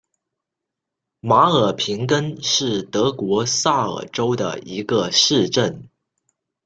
马尔平根是德国萨尔州的一个市镇。